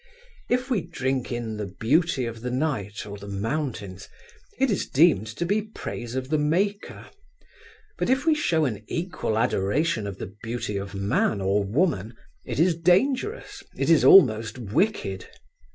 If we drink in the beauty of the night or the mountains, it is deemed to be praise of the Maker, but if we show an equal adoration of the beauty of man or woman, it is dangerous, it is almost wicked.